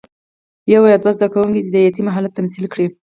یو یا دوه زده کوونکي دې د یتیم حالت تمثیل کړي.